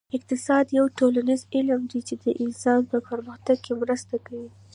اقتصاد یو ټولنیز علم دی چې د انسان په پرمختګ کې مرسته کوي